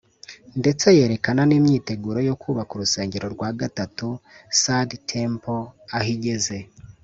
ndetse yerekana n’imyiteguro yo kubaka urusengero rwa gatatu (Third Temple) aho igeze